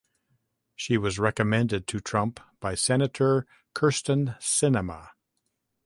He was recommended to Trump by Senator Kyrsten Sinema.